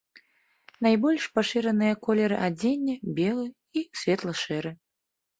Найбольш пашыраныя колеры адзення белы і светла-шэры.